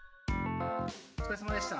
おつかれさまでした。